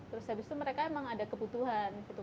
terus habis itu mereka emang ada kebutuhan gitu